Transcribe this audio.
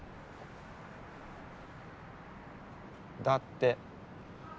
だって。